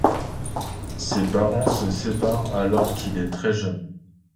Ses parents se séparent alors qu'il est très jeune.